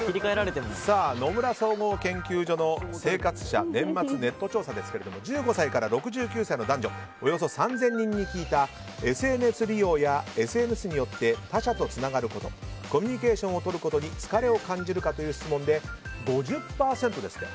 野村総合研究所の生活者年末ネット調査ですが１５歳から６９歳の男女およそ３０００人に聞いたＳＮＳ利用やＳＮＳによって他者とつながることコミュニケーションを取ることに疲れを感じるかという質問で５０％ですって。